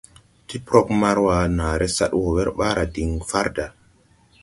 Ɓi prɔg Marwa nããre sad wɔ wɛr ɓaara diŋ farda.